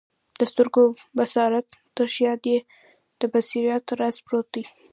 د سترګو د بصارت تر شاه دي د بصیرت راز پروت دی